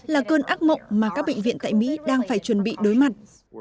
là cơn ác mộng mà các bệnh viện tại mỹ đang phải chuẩn bị đối mặt